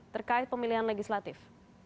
terkait pemilihan legislatif